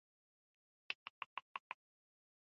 ازادي راډیو د حیوان ساتنه په اړه د خلکو وړاندیزونه ترتیب کړي.